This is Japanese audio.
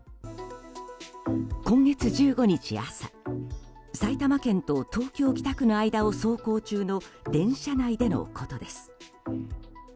今月１５日朝埼玉県と東京・北区の間を走行中の電車内でのことです。